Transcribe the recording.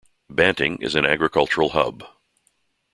Banting is an agricultural hub.